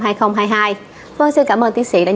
vâng xin cảm ơn tiến sĩ đã nhận lời mời tham gia chương trình